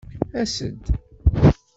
As-d!